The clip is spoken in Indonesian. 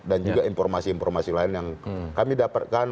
dan juga informasi informasi lain yang kami dapatkan